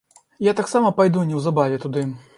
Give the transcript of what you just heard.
Я таксама пайду неўзабаве туды.